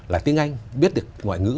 là tiếng anh biết được ngoại ngữ